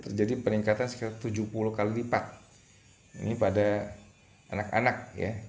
terjadi peningkatan sekitar sembilan puluh kali lipat kepada anak anak